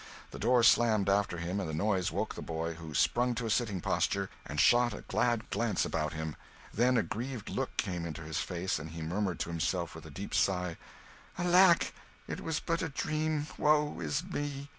The door slammed after him, and the noise woke the boy, who sprang to a sitting posture, and shot a glad glance about him; then a grieved look came into his face and he murmured to himself, with a deep sigh, "Alack, it was but a dream, woe is me!"